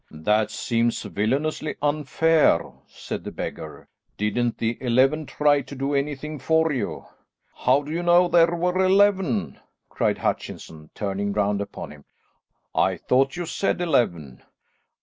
"That seems villainously unfair," said the beggar. "Didn't the eleven try to do anything for you?" "How do you know there were eleven?" cried Hutchinson, turning round upon him. "I thought you said eleven."